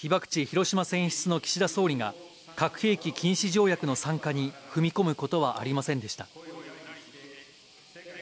・広島選出の岸田総理が、核兵器禁止条約の参加に踏み込むことはありませんでした。